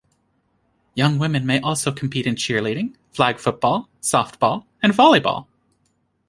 Young women may also compete in cheerleading, flag football, softball, and volleyball.